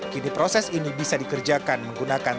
kini proses ini bisa dikerjakan menggunakan